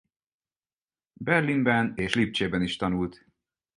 Berlinben és Lipcsében is tanult.